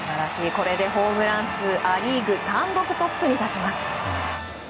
これで、ホームラン数ア・リーグ単独トップに立ちます。